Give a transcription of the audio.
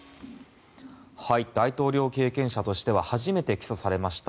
大統領経験者としては初めて起訴されました